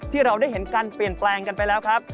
ที่เราได้เห็นการเปลี่ยนแปลงกันไปแล้วครับ